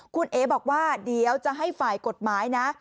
คุณเอ๋บอกว่าเดี๋ยวจะให้ฝ่ายกฎหมายนะ